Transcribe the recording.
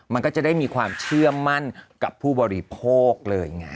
มันก็จะได้มีความเชื่อมั่นกับผู้บริโภคเลยไง